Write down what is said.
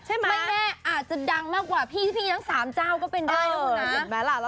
ไม่แน่อาจจะดังมากกว่าพี่ทั้ง๓เจ้าก็เป็นได้นะคุณนะ